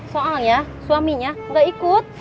soalnya suaminya gak ikut